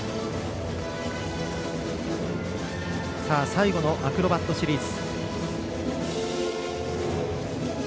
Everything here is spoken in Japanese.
最後のアクロバットシリーズ。